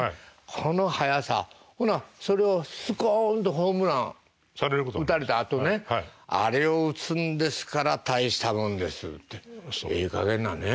この速さほなそれをスコンとホームラン打たれたあとねあれを打つんですから大したもんですってええかげんなね。